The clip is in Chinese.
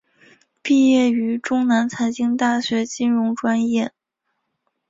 毕业于中南财经大学金融专业。